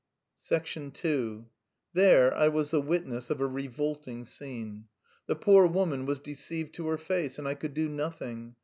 II There I was the witness of a revolting scene: the poor woman was deceived to her face, and I could do nothing.